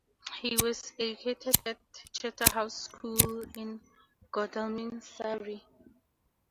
He was educated at Charterhouse School, in Godalming, Surrey.